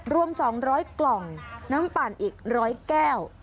รวม๒๐๐กล่องน้ำปั่นอีก๑๐๐แก้ว